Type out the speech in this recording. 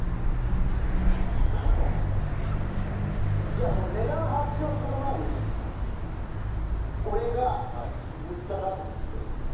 じゃあ、値段発表する前に俺が言った額で売ってよ。